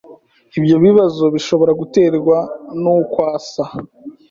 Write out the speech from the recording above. Ibyo bibazo bishobora guterwa n’uko asa